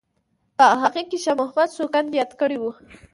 په هغه کې شاه محمد سوګند یاد کړی وو.